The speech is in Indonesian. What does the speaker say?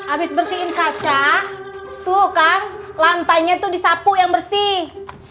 abis bersihin kaca tuh kang lantainya tuh disapu yang bersih